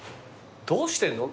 どうしてんの？